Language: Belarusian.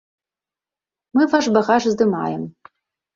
Мы ваш багаж здымаем.